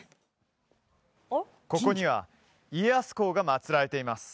ここには家康公が祭られています